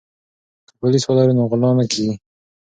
که پولیس ولرو نو غلا نه کیږي.